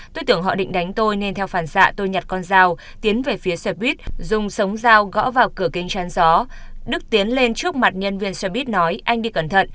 tôi tưởng họ định đánh tôi nên theo phản xạ tôi nhặt con dao tiến về phía xe buýt dùng sống dao gõ vào cửa kinh chăn gió